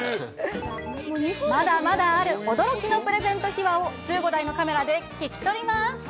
まだまだある驚きのプレゼント秘話を、１５台のカメラで聞き取ります。